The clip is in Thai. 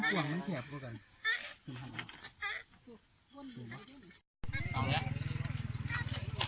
สวัสดีครับ